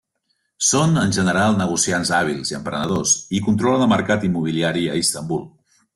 Són en general negociants hàbils i emprenedors i controlen el mercat immobiliari a Istanbul.